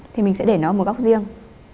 thì mình sẽ để nó ở một góc riêng